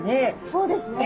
そうですね。